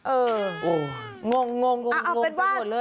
เอองง